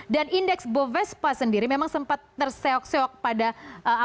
dan indeks bovespa sendiri memang sempat terseok seok pada awal